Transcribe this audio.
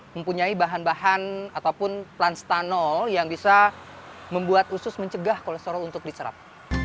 mempunyai bahan bahan ataupun planstanol yang bisa membuat usus mencegah kolesterol untuk diserap